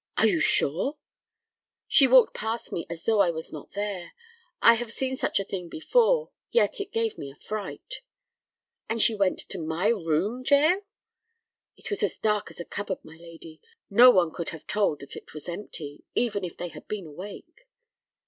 "Are you sure?" "She walked past me as though I was not there. I have seen such a thing before, yet it gave me a fright." "And she went to my room, Jael?" "It was as dark as a cupboard, my lady. No one could have told that it was empty—even if they had been awake."